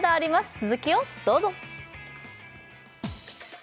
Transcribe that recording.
続きをどうぞ！